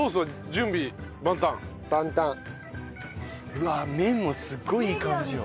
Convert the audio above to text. うわあ麺もすごいいい感じよ。